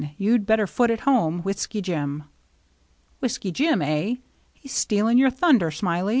You'd better foot it home. Whiskey Jim.' Whiskey Jim, eh? He's stealing your thunder, Smiley."